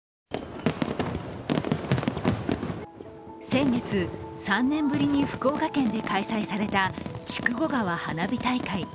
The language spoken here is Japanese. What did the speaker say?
先月、３年ぶりに福岡県で開催された筑後川花火大会。